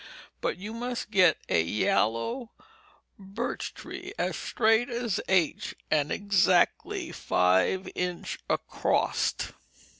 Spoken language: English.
But you must get a yallow birch tree as straight as H and edzactly five inch acrost.